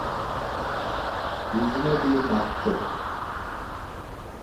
Yüzüme bir baktı.